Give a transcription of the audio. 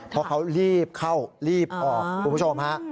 เพราะเขารีบเข้ารีบออกคุณผู้ชมฮะ